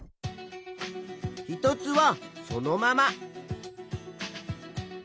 一つはそのまま。